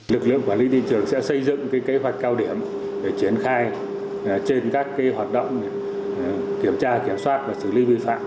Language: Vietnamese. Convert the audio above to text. lực lượng quản lý thị trường sẽ xây dựng kế hoạch cao điểm để triển khai trên các hoạt động kiểm tra kiểm soát và xử lý vi phạm